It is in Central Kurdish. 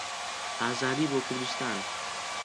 ئازادی بۆ کوردستان!